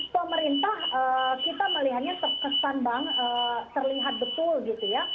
pemerintah kita melihatnya terkesan bang terlihat betul gitu ya